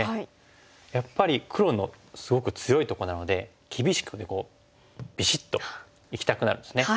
やっぱり黒のすごく強いとこなので厳しくビシッといきたくなるんですね。